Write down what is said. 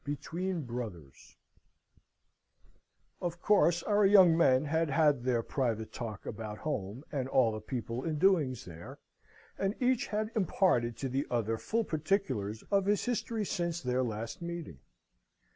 Between Brothers Of course our young men had had their private talk about home, and all the people and doings there, and each had imparted to the other full particulars of his history since their last meeting.